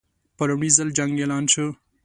په لومړي ځل جنګ اعلان شو.